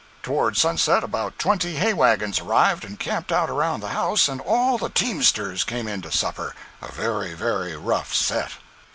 Towards sunset about twenty hay wagons arrived and camped around the house and all the teamsters came in to supper—a very, very rough set.